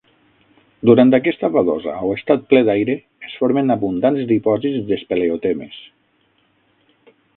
Durant aquesta vadosa, o estat ple d'aire, es formen abundants dipòsits d'espeleotemes.